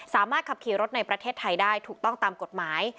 สามารถขับขี่รถในประเทศไทยได้ถูกต้องตามกฎหมาย